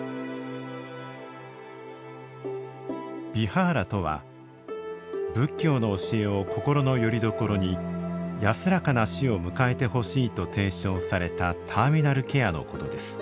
ビハーラとは仏教の教えを心のよりどころに安らかな死を迎えてほしいと提唱されたターミナルケアのことです。